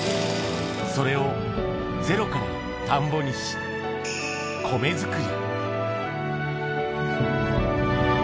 それをゼロから田んぼにし、米作り。